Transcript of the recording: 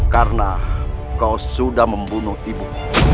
karena kau sudah membunuh ibu